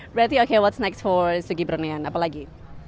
berarti oke apa yang selanjutnya untuk sugi brunean apa lagi